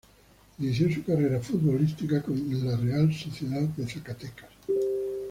Inició su carrera futbolística con la Real Sociedad de Zacatecas.